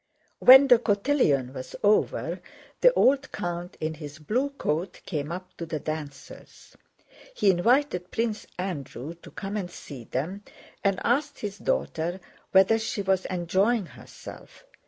When the cotillion was over the old count in his blue coat came up to the dancers. He invited Prince Andrew to come and see them, and asked his daughter whether she was enjoying herself.